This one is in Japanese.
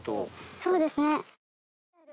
そうですね。